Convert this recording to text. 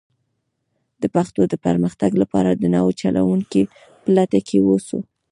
د پښتو د پرمختګ لپاره د نوو چلوونکو په لټه کې ووسو.